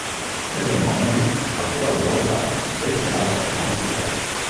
És el moment al qual l'alba deixa pas al nou dia.